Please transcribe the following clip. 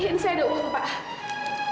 ini ini saya ada uang pak